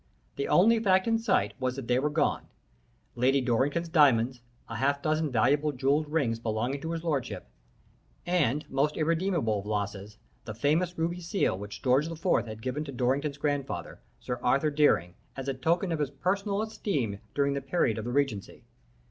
The only fact in sight was that they were gone Lady Dorrington's diamonds, a half dozen valuable jewelled rings belonging to his lordship, and, most irremediable of losses, the famous ruby seal which George IV had given to Dorrington's grandfather, Sir Arthur Deering, as a token of his personal esteem during the period of the Regency.